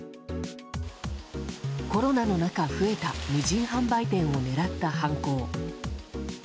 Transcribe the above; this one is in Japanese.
コロナの中、増えた無人販売店を狙った犯行。